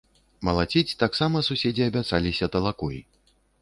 Малаціць таксама суседзі абяцаліся талакой.